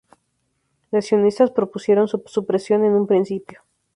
Los sionistas propusieron su supresión en un principio.